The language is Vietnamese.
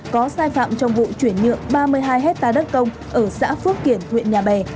có sai phạm trong vụ chuyển nhượng ba mươi hai hectare đất công ở xã phước kiển huyện nhà bè